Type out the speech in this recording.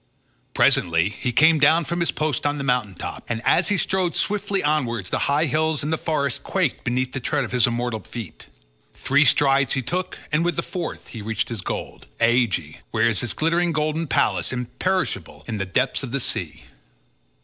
Presently he came down from his post on the mountain top, and as he strode swiftly onwards the high hills and the forest quaked beneath the tread of his immortal feet. Three strides he took, and with the fourth he reached his goal—Aegae, where is his glittering golden palace, imperishable, in the depths of the sea.